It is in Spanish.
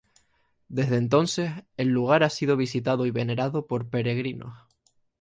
Desde entonces el lugar ha sido visitado y venerado por peregrinos.